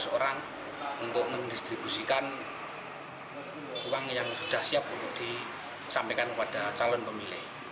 seratus orang untuk mendistribusikan uang yang sudah siap untuk disampaikan kepada calon pemilih